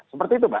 seperti itu mbak